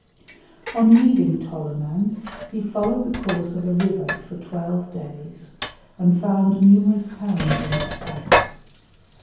On leaving Toloman, he followed the course of a river for twelve days, and found numerous towns on its banks.